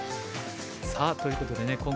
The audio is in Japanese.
さあということでね